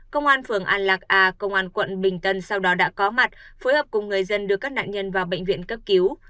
công an phường an lạc a công an quận bình tân sau đó đã có mặt phối hợp cùng người dân đưa các nạn nhân vào bệnh viện cấp cứu